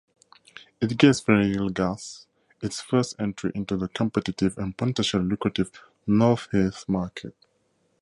It gave Ferrellgas its first entry into the competitive and potentially lucrative Northeast market.